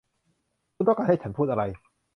คุณต้องการให้ฉันพูดอะไร ?